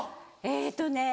えっとね。